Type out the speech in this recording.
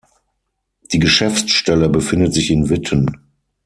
Die Geschäftsstelle befindet sich in Witten.